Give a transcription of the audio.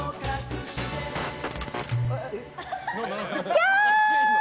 キャー。